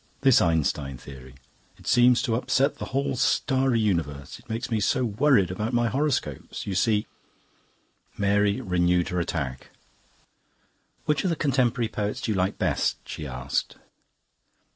"This Einstein theory. It seems to upset the whole starry universe. It makes me so worried about my horoscopes. You see..." Mary renewed her attack. "Which of the contemporary poets do you like best?" she asked.